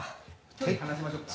距離離しましょうか。